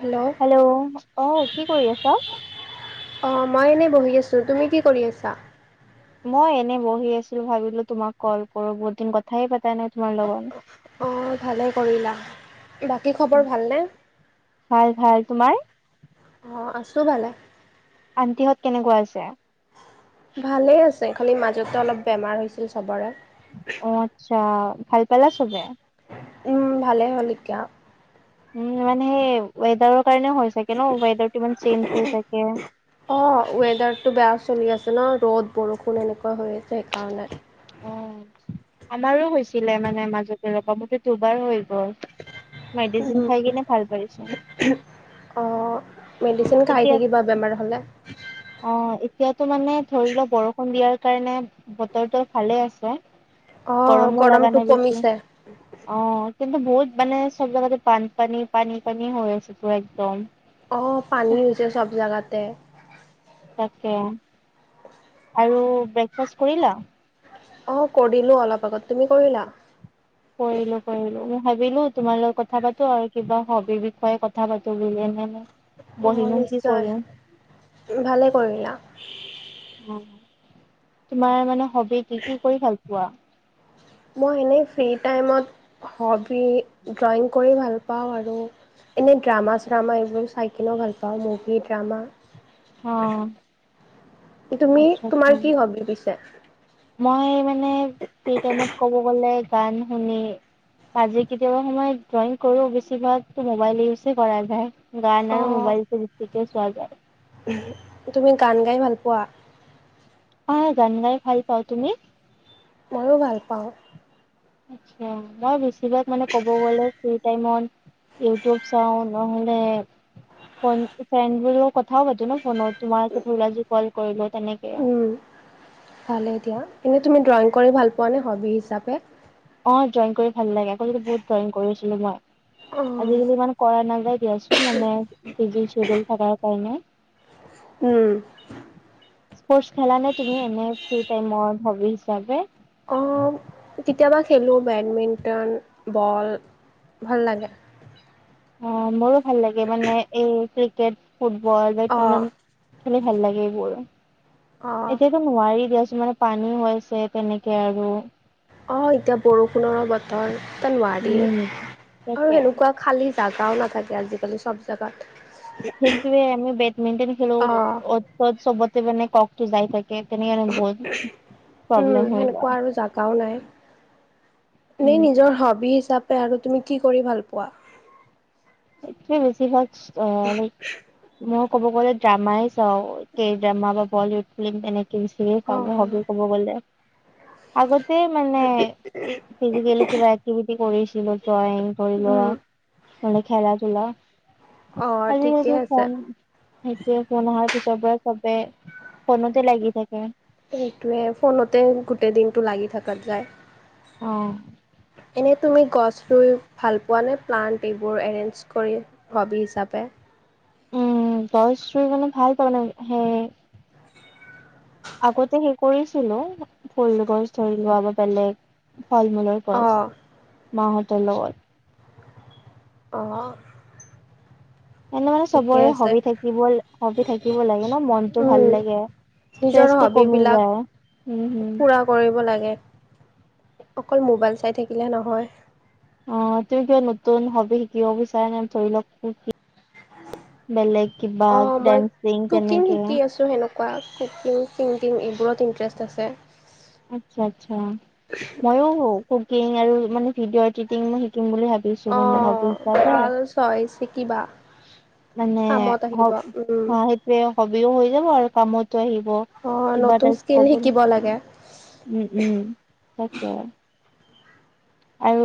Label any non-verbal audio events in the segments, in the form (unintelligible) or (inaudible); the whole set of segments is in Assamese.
হেল্ল' হেল্ল' অ কি কৰি আছা? অঁ মই এনে বহি আছোঁ তুমি কি কৰি আছা? মই এনে বহি আছিলো ভাবিলো তোমাক কল কৰো বহুত দিন কথাই পতাই নাই তোমাৰ লগত, অঁ ভালে কৰিলা, বাকী খবৰ ভালনে, ভাল ভাল তোমাৰ অ আছো ভালে। আনটিহঁত কেনেকুৱা আছে? ভালে আছে খালি মাজতে অলপ বেমাৰ হৈছিল চবৰে। অ আচ্ছা ভাল পালা চবে। উম ভালে হ'ল এতিয়া উ মানে সেই ৱেডাৰৰ কাৰণে হয় চাগে ন ৱেডাৰটো ইমান চেঞ্জ হৈ থাকে। অ ৱেডাৰটো বেয়া চলি আছে ন ৰ'দ বৰষুণ এনেকুৱা হৈ আছে সেইকাৰণে। অ আমাৰো হৈছিলে মানে মাজতে ৰবা মোতো দুবাৰ হৈ গ'ল। মেডিচিন খাই উম কিনে ভাল পাইছো। অ মেডিচিন খাই এতিয়া থাকিবা বেমাৰ হ'লে। অ এতিয়াতো মানে ধৰি ল বৰষুণ দিয়াৰ কাৰণে বতৰটো ভালে আছে। অঁ গৰমো লাগা গৰমটো নাই বেছি, কমিছে অ কিন্তু বহুত মানে চব জেগাতে বানপানী পানী পানী হৈ আছে তো একদম, অ পানী হৈছে চব জাগাতে, তাকে আৰু ব্ৰেকফাষ্ট কৰিলা? অ কৰিলো অলপ আগত তুমি কৰিলা? কৰিলো কৰিলো মই ভাবিলো তোমাৰ লগত কথা পাতো আৰু কিবা হবিৰ বিষয়ে কথা পাতো বুলি এনেই, অ নিশ্চয় ভালে কৰিলা। অ তোমাৰ মানে হবি কি কি কৰি ভাল পোৱা? মই এনেই ফ্ৰী টাইমত হবি ড্ৰয়িং কৰি ভাল পা পাওঁ আৰু এনে ড্ৰামা চ্ৰামা এইবোৰ চাই কিনেও ভাল পাওঁ, পাওঁ মুভি ড্ৰামা, অ', তুমি আচ্ছা আচ্ছা তোমাৰ কি হবি পিছে? মই মানে ফ্ৰী টাইমত ক'ব গ'লে গান শুনি, আজি কেতিয়াবা সময়ত ড্ৰয়িং কৰো বেছিভাগ মবাইল ইউছে কৰা যাই, গান অ আৰু মোবাইল টো বেছিকে চোৱা যায়। তুমি গান গাই ভাল পোৱা? অ গান গাই ভাল পাওঁ, তুমি? ময়ো ভাল পাওঁ। আঁ, মই বেছিভাগ মানে কব গলে ফ্ৰী টাইমত- ইউটিউব চাওঁ নহ'লে ফন ফ্ৰেণ্ড বোৰ লগত কথাও পাতো ন ফোনত। তোমাৰ ধৰি লোৱা যি কল কৰিলো তেনেকে। উম ভালে দিয়া এনেই তুমি ড্ৰয়িং কৰি ভাল পোৱা নে হবি হিচাপে? অ ড্ৰয়িং কৰি ভাল লাগে আকৌ যদি বহুত ড্ৰয়িং কৰি আছিলো মই, আজিকালি উম মান- কৰা নাযায় দিয়াচোন মানে বিজি চিডিউল থকাৰ কাৰণে। উম স্পৰ্টছ খেলা নে তুমি এনে ফ্ৰী টাইমৰ হবি হিচাপে? অ কেতিয়াবা খেলো বেডমিণ্টন, বল ভাল লাগে। অ মোৰো ভাল লাগে মানে এই ক্ৰিকেট, ফুটবল, অ বেডমিণ্টন। অ খেলি ভাল লাগে এইবোৰ, এতিয়াতো নোৱাৰি দিয়াচোন মানে- পানী হৈছে তেনেকে আৰু- অঁ এতিয়া বৰষুণৰৰ বতৰ নোৱাৰি উম। আৰু তাকে তেনেকুৱা - খালি জাগাও নাথাকে আজিকালি চব- জাগাত। সেইটোৱে আমি বেডমিণ্টন খেলো অ', অত তত ছবতে মানে ককটো যাই থাকে। তে তেনে বহুত উম, প্ৰব্লেম হৈ যায়। এনে উম। নিজৰ হবি হিচাপে আৰু তুমি কি কৰি ভাল পোৱা? সে বেছিভাগ অ, লাইক ম ক'ব গ'লে ড্ৰামাই চাওঁ। কেই ড্ৰামা বা বলিউড ফিল্ম তেনেক থ্ৰী ইষ্টমে চাওঁ অ', মোৰ হবী ক'ব গ'লে। আগতে মানে ফিজিকেলি কিবা কিবি কৰিছিলো ড্ৰয়িং ধৰি লৰা। উম, খেলা ধূলা অ', ঠিকে আজিকালি আছে। ফোন। সেইটোৱে ফোন অহাৰ পিছৰ পৰা চবে ফোনতে লাগি থাকে। সেইটোৱে ফোনতে গোটেই দিনটো লাগি থকাত যায়। অঁ এনেই তুমি গছ ৰুই ভাল পোৱা নে প্লাণ্ট এইবোৰ এৰেঞ্জ কৰি হবি হিচাপে। ভ‌ইচটো মানে ভাল পা নে হে, আগতে সে কৰিছিলো ফুলগছ ধৰি লোৱা বা বেলেগ ফল মূলৰ। ভ‌ইচ, অ', মাহঁতৰ লগত। অঁ এনে মানে চবৰে আছে। হবি থাকিব হবি থাকিব লাগে ন, মনতটো ভাল উম, লাগে। নিজৰ ষ্ট্ৰেচটো কমি হবিবিলাক যায়, উম, হম। পুৰা কৰিব লাগে, অকল মোবাইল চাই থাকিলে নহয়। অঁ, তুমি কিবা নতুন হবি শিকিব বিচাৰে নে ধৰি লওক বেলেগ কিবা অঁ মই ডাঞ্চিং কুকিং তেনেকে। শিকি আছোঁ সেনেকুৱা কুকিং, চিংগিং এইবোৰত ইণ্টাৰেষ্ট আছে। আচ্ছা-আচ্ছা, মইো কুকিং আৰু মানে ভিডিঅ' এডিটিং মই শিকিম বুলি ভাবি ছু মানে হবি হিচাপে। ছয় শিকিবা। মানে কামত অ, আহিব উম। সেইটোৱে হবিও হৈ যাব আৰু কামতো আহিব। অঁ কিবা নতুন স্কিল কবলে, শিকিব লাগে উম, উম তাকে। আৰু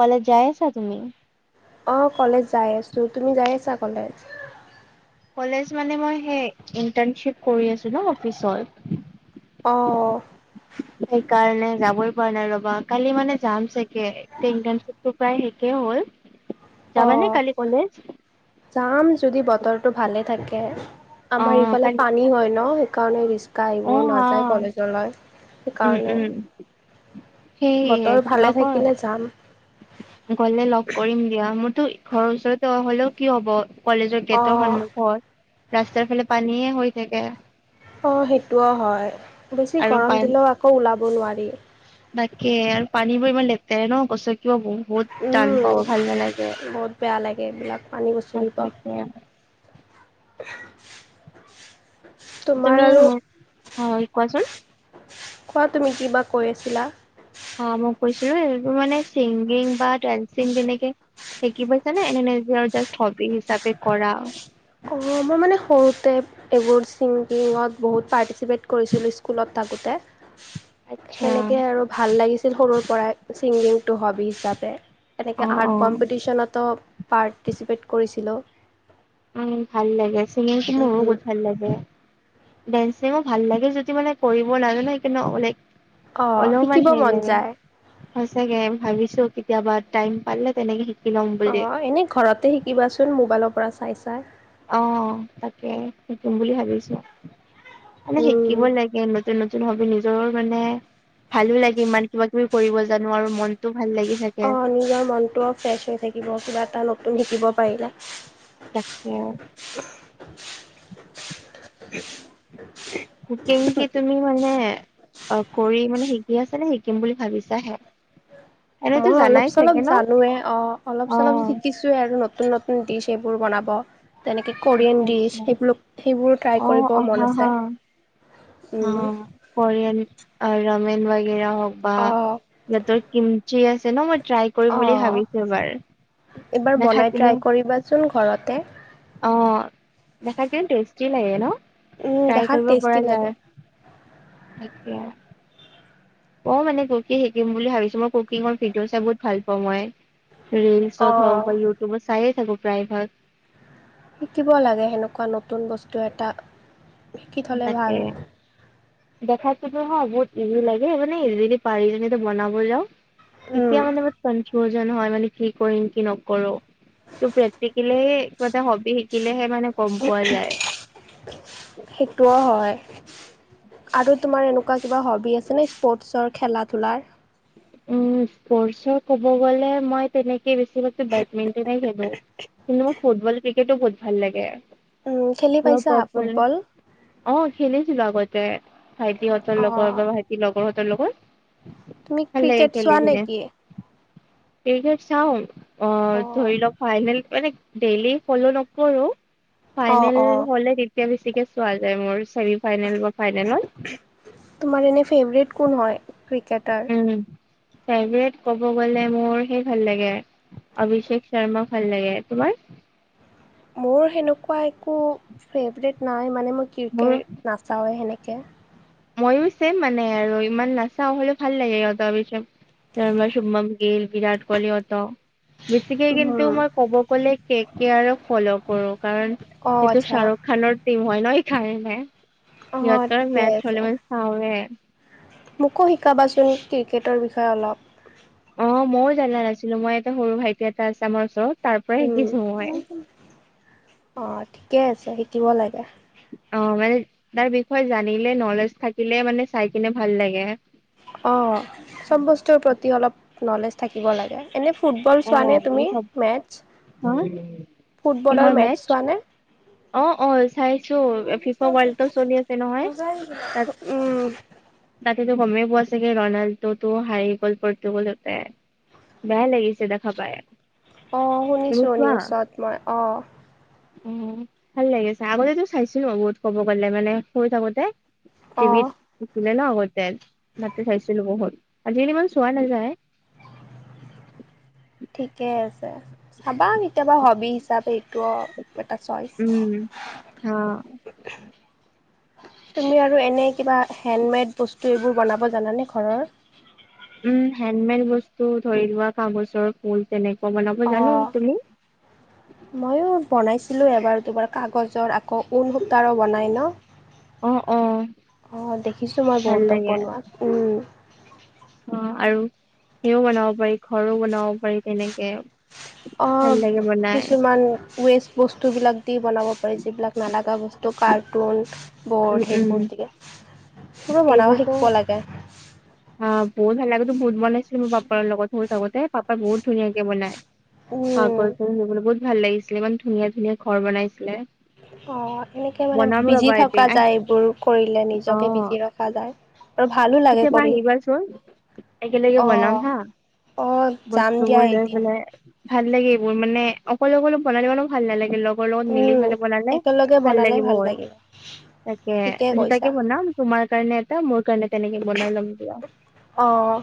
তালে যাই আছা তুমি? অঁ, কলেজ যাই আছো তুমি যাই আছা কলেজ? কলেজ মানে মই সেই ইন্টাৰনশিপ কৰি আছোঁ ন অফিচত। অ'। সেইকাৰণে যাবই পৰা নাই ৰ'বা কালি মানে যাম চাগে। ইণ্টাৰ্ণশিপ টো প্ৰায় শেষেই হ'ল। যাবানে অ', কালি কলেজ? যাম যদি বতৰটো ভালে থাকে। অ আমাৰ ইফালে কালি পানী হয় ন, সেইকাৰণে অ গাড়ীবোৰ হা নাযায় কলেজলৈ, উম সেইকাৰণে। উম সেই বতৰ কিবা ভালে কয় থাকিলে যাম। গলে লগ কৰিম দিয়া, মোৰতো ঘৰৰ ওচৰৰত হলেও কি হব কলেজৰ গেটৰ অঁ সন্মুখত, ৰাস্তাৰ ফালে পানীয়ে হৈ থাকে। অ', সেইটোও হয়। বেছি আৰু গৰম পান দিলেও আকৌ ওলাব নোৱাৰি। তাকে আৰু পানী বোৰ ইমান লেতেৰে ন? গছকিব বহুত উম, টান পাব ভাল নালাগে বহুত বেয়া লাগে এইবিলাক পানী গচকিব। অ'। (unintelligible) তোমাৰ তুমি আৰু ইমান, হয় কোৱাচোন? কোৱা তুমি কিবা কৈ আছিলা? অ, মই কৈছিলোঁ এইবোৰ মানে ছিংগিং বা ডানসিং যেনেকে শিকি পাইছে নে এনে নিজৰ জাষ্ট হবি হিচাপে কৰা? অ', মই মানে সৰুতে এইবোৰ ছিংগিঙত বহুত পাৰ্টিচিপেটঁ কৰিছিলোঁ স্কুলত থাকোঁতে। আচ্ছা সেনেকে আৰু ভাল লাগিছিল সৰুৰ পৰাই ছিংগিংটো হবি হিচাপে অ এনেকৈ আৰ্ট অ উম কম্পিটিশ্যনতো পাৰ্টিচিপেট কৰিছিলোঁ। উম ভাল লাগে ছিংগিংটো মোৰো উম, বহুত ভাল লাগে। ডেন্সিঙো ভাল লাগে যদি মানে কৰিব নাজানো সেইকাৰণে অলেক অ', শিকিব অলমান হেই মন লাগে যায়। সঁচাকে ভাবিছোঁ কেতিয়াবা টাইম পালে তেনেকে শি অ এনেই ঘৰতে শিকিবাচোন মোবাইলৰ পৰা চাই চাই। অ', তাকে শিকিম বুলি ভাবিছোঁ। মানে শিকিব উম, লাগিব নতুন-নতুন হবী নিজৰ মানে ভালো লাগে ইমান কিবা কিবি কৰিব জানো আৰু মনটো ভাল লাগি থাকে। অ', নিজৰ মনটোও ফ্ৰেচ হৈ থাকিব, কিবা এটা নতুন শিকিব পাৰিলে। তাকে। (unintelligible) কুকিং কি তুমি মানে অ, কৰি মানে শিকি আছা নে শিকিম বুলি ভাবিছাহে? এনেতো মই অলপ জানাই চলপ চাগে ন জানোয়ে অ', অলপ অ চলপ শিকিছোঁ। আৰু নতুন-নতুন ডিচ এইবোৰ বনাব। তেনেকে কোৰিয়ান আচ্ছা দিছ আচ্ছা সেইবোৰ সেইবোৰো ট্ৰাই অ কৰিব মন আছে। অ উম, কৰিয়ন ৰমেন বাগেৰা হওক বা অ', সিহঁতৰ কিমচি আছে ন মই ট্ৰাই কৰিম বুলি অ', ভাবিছো এবাৰ নাখাই পিনো চোন ঘৰতে অ দেখাত কিন্তু টেষ্টি লাগে ন উম, ট্ৰাই দেখাত কৰিব পৰা টেষ্টি লাগে যায় তেতিয়া অ মানে কুকিং শিকিম বুলি ভাবিছোঁ মই কুকিঙৰ ভিডিঅ' চাই বহুত ভাল পাওঁ মই ৰিলচত হওক অ'। বা ইউটিউবত চায়ে থাকো প্ৰায় ভাগ শিকিব লাগে সেনেকোৱা নতুন বস্তু এটা শিকি থ'লে ভাল। তাকে দেখাতোতো ন বহুত ইজি লাগে মানে ইজিলি পাৰিলেতো বনাব যাও উম, তেতিয়া মানে বহুত কনফিউজন হয় মানে কি কৰিম কি নকৰোঁ। ত প্ৰেক্টিকেলি কিবা এটা হবি শিকিলেহে মানে গম পোৱা যায়। সেইটোও হয়। আৰু তোমাৰ এনেকোৱা কিবা হবি আছেনে স্পৰ্টছৰ খেলা ধূলাৰ। উ স্পৰ্টছৰ ক'ব গলে মই তেনেকে বেছিভাগতো বেডমিন্টনে খেলো কিন্তু মোৰ ফুটবল ক্ৰিকেটো বহুত ভাল লাগে উম, খেলি পুৰা পাইছা প্ৰপাৰ ফুটবল? অ খেলিছিলো আগতে ভাইটিহঁতৰ লগৰ অ', বা ভাইটিৰ লগৰ হ লগত তুমি ভাল লাগে ক্ৰিকেট খেলি চোৱা কিনে নেকি? এই যে চাও। অ, ধৰি লওক ফাইনেল মানে ডেইলি ফলও নকৰো। অ', ফাইনেল অ', হ'লে তেতিয়া বেছিকে চোৱা যায় মোৰ চেমি ফাইনেল বা ফাইনেলত। তোমাৰ এনে ফেভাৰেট কোন হয় ক্ৰিকেটাৰ উম, ফেভৰেট ক'ব গলে মোৰ সেই ভাল লাগে। অভিষেক শৰ্মা ভাল লাগে তোমাৰ মোৰ সেনেকোৱা একো ফেভৰেট নাই মানে মই মোৰ ক্ৰিকেট নাচাওৱেই সেনেকে। মইয়ো চেম মানে আৰু ইমান নাচাও হলেও ভাল লাগে সিহঁতৰ অভিশেষ তেওঁ বা শুভম গিল বিৰাট কৌহলীহত। বেছিকে কিন্তু উম, মই কব গলে কে - কে আৰু ফল' কৰো কাৰণ অ', এইটো আচ্ছা শ্বাহৰুখ খানৰ টিম হয় ন এইকাৰণে। অ, ঠিকে আছে। দিলে মানে চাওৱে (unintelligible) মোকো শিকাবাচোন ক্ৰিকেটৰ বিষয়ে অলপ। অ, মইয়ো জানা নাছিলো মই এটা সৰু ভাইটি এটা আছে আমাৰ ওচৰত তাৰ পৰাই উম, শিকিছো মই অ, ঠিকে আছে শিকিব লাগে। অ, মানে তাৰ বিষয়ে জানিলে নলেজ থাকিলে মানে চাই কিনে ভাল লাগে। অ, চব বস্তুৰ প্ৰতি অলপ নলেজ থাকিব লাগে। এনে ফুটবল চোৱা নে তুমি অ মেটছ ফুটবলৰ কিহৰ মেচ মেটছ চোৱা নে? অ', অ', চাইছো ফিফা ৱৰ্ল্ড কাপ চলি আছে নহয়। তাত অ', তাতেতো গমেই পোৱা চাগে ৰনাল্ডো টো হাৰি গ'ল পৰ্তুগলতে। বেয়া লাগিছে দেখা পাই। অ, তুমি শুনিছো চোৱা? নিউজত মই অ, অ, ভাল লাগিছে আগতেতো চাইছো বহুত ক'ব গ'লে মানে সৰু থাকোতে অ, টিভিত। ছিলে ন আগতে তাতে চাইছিলো বহুত আজিকালি ইমান চোৱা নাযায়। ঠিকে আছে চাবা কেতিয়াবা হবি হিচাপে এইটোও এটা চইচ উম, হ, তুমি আৰু এনেই কিবা হেণ্ডমেড বস্তু এইবোৰ বনাব জানানে ঘৰৰ। উম, হেণ্ডমেড বস্তু ধৰি লোৱা কাগজৰ ফুল তেনেকোৱা বনাব অ, জানো তুমি? উ (inaudible) ময়ো বনাইছিলো এবাৰ তোমাৰ কাগজৰ। আকৌ ঊনসূতাৰ বনাই ন? অ', অ', অহ, দেখিছো মই ভাল বহুত লাগে বনোৱা উম, অ, আৰু সেও বনাব পাৰি, ঘৰো বনাব পাৰি তেনেকে ভাল লাগে বনাই কিছুমান ৱেষ্ট বস্তুবিলাক দি বনাব পাৰি যিবিলাক নালাগা বস্তু কাৰ্টুন, উম ব'ৰ্ড উম সেইবোৰ দিয়ে। কোনো মনাব শিকিব লাগে। হা বহত ভাল লাগে ত বহত বনাইছিলো মোৰ পাপাৰ লগত থাকতে পাপা বহুত ধুনীয়াাকে বনাই। উম আগৰ ধুবলৈ বহুত ভাল লাগিছিলে ইমান ধুনীয়া ধুনীয়া ঘৰ বনাইছিলে। অ, এনেকে মানে বনাম বিজি ৰবা থকা এদিন আহ যায় এইবোৰ কৰিলে অ নিজকে বিজি ৰখা যায়। আৰু ভালো লাগে কেতিয়াবা কৰি আহিবাচোন। একেলগে অ বনাম হা অ যাম দিয়া বস্তুবোৰ লৈ এদিন পেলাই। ভাল লাগে এইবোৰ মানে অকলে অলপ বনাই ভাল নালাগে। লগৰ লগত মিলি উম পেলাই বনালে ভাল লাগিব হ'ল। তাকে ঠিকে দুটাকে কৈছা বনাম। তোমাৰ কাৰণে এটা মোৰ কাৰণে তেনেকে বনাই ল'ম দিয়া। অঁ।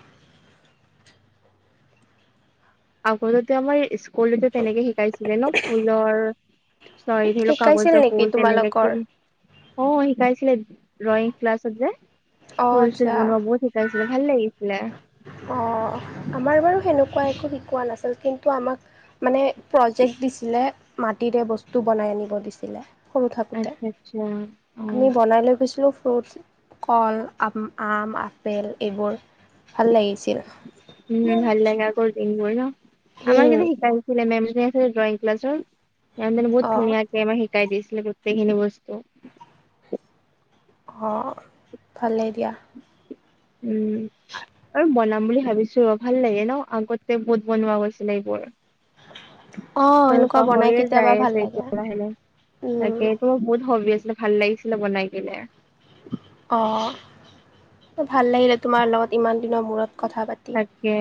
আগতেতো আমাৰ ইস্ সকলো তেনেকে শিকাইছিলে ন ফুলৰ চৰি ধৰি লওক শিকাইছিল কাগজৰ নেকি ফুল তেনেকে তোমালোকৰ অ, শিকাইছিলে ড্ৰয়িং ক্লাছত যে অ ফুল আচ্ছা বনোৱা বহুত ছিলে ভাল লাগিছিলে। আমাৰ বাৰু সেনেকুৱা একো শিকোৱা নাছিল। কিন্তু আমাক মানে প্ৰজেক্ট দিছিলে মাটিৰে বস্তু বনাই আনিব দিছিলে। সৰু থাকোঁতে, আচ্ছা আচ্ছা অ আমি বনাই লৈ গৈছিলোঁ ফ্ৰুট কল, আপ আম, আপেল এইবোৰ ভাল লাগিছিল। উম ভাল লাগে আগৰ দিনবোৰ ন? আমাৰ কিন্তু শিকাইছিলে মেম যে আছিল ড্ৰয়িং ক্লাছৰ। মেমজনী বহুত অঁ ধুনীয়াকে আমাক শিকাই দিছিলে গোটেইখিনি বস্তু। ঘৰ ভালেই দিয়া। উম। আৰু বনাম বুলি ভাবিছো ৰ ভাল লাগে ন আগতে বহুত বনোৱা গৈছিলে এইবোৰ। অঁ চবে সেনেকুৱা বনাই পাহৰিয়ে কেতিয়াবা যাই ভাল আছে লাগে এতিয়া লাহে লাহে। তাকে মোৰ বহুত হবি আছিলে ভাল লাগিছিলে বনাই কিনে। অঁ, ভাল লাগিলে তোমাৰ লগত ইমান দিনৰ মূৰত কথা পাতি। তাকে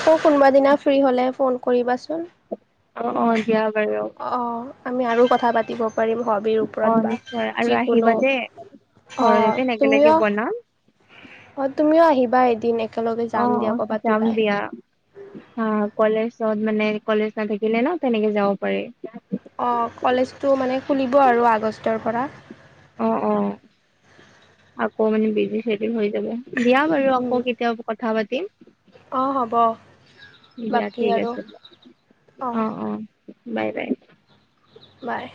আকৌ কোনোবা দিনা ফ্ৰী হ'লে ফোন কৰিবাচোন। অ' অ' দিয়া বাৰু। অঁ আমি আৰু কথা পাতিব পাৰিম হবিৰ অ ওপৰত বা নিশ্চয় আৰু যিকোনো আহিবা দেই অ ঘৰত এদিন একেলগে তুমিও বনাম অ তুমিও আহিবা এদিন এক অ অ যাম দিয়া। অ কলেজত মানে কলেজ নাথাকিলে ন তেনেকে যাব পাৰি। অঁ কলেজটো মানে খুলিব আৰু আগষ্টৰ পৰা। অ অ আকৌ মানে বিজি চেদিউল হৈ যাব। দিয়া বাৰু উম। আকৌ কেতিয়াবা কথা পাতিম। অ', হ'ব দিয়া বাকী ঠিক আৰু আছে দিয়া, অ অ। Bye bye. বাই।